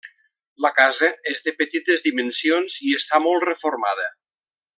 La casa és de petites dimensions i està molt reformada.